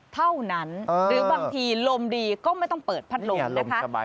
เท่านั้นหรือบางทีลมดีก็ไม่ต้องเปิดพัดลมนะคะ